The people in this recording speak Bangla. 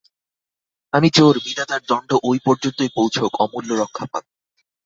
আমি চোর, বিধাতার দণ্ড ঐ পর্যন্তই পৌঁছক– অমূল্য রক্ষা পাক।